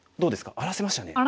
荒らせましたね。